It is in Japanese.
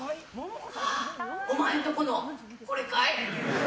ああ、お前んとこのこれかい？